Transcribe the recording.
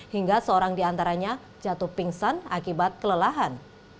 hingga seorang diantaranya jatuh pingsan akibat kelelahan